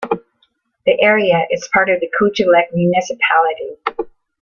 The area is part of the Kujalleq municipality.